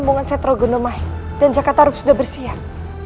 hubungan setro gunumai dan jakartaruk sudah bersiap